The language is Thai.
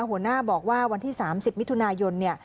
หัวหน้าบอกว่าวันที่๓๐มิถุนายนเนี่ย